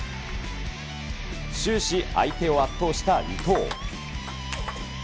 終始、相手を圧倒した伊藤。